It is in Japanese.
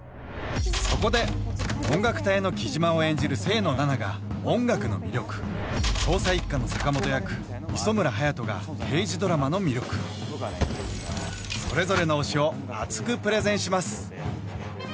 そこで音楽隊の来島を演じる清野菜名が音楽の魅力捜査一課の坂本役磯村勇斗が刑事ドラマの魅力それぞれの推しをアツくプレゼンします